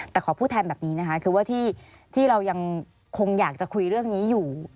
แต่ขอพูดแทนแบบนี้นะคะคือว่าที่เรายังคงอยากจะคุยเรื่องนี้อยู่